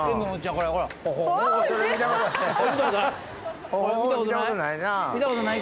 これ見たことない？